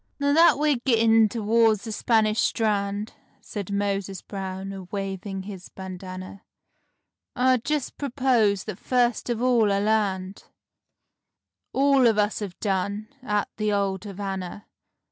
"Now that we're gittin' t'wards the Spanish Strand," Said Moses Brown, a waving his bandana, "I just propose that first of all I land— As all of us have done—at the old Havanna.